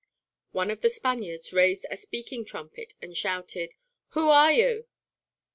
One of the Spaniards raised a speaking trumpet and shouted: "Who are you?"